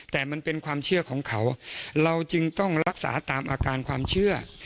แต่มันเป็นความเชื่อของเขาเราจึงต้องรักษาตามอาการความเชื่อ